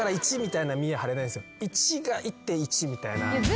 １が１．１みたいな。